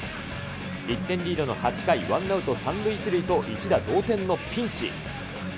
１点リードの８回、ワンアウト３塁１塁と１打同点のピンチ。